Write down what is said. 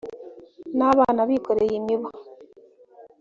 n’abana bikoreye imiba